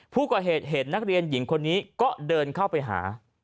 ผู้ก่อเหตุเห็นนักเรียนหญิงคนนี้ก็เดินเข้าไปหา